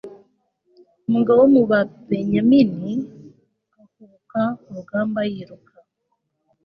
umugabo wo mu babenyamini ahubuka ku rugamba yiruka